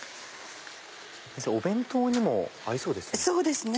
お弁当にも合いそうですね。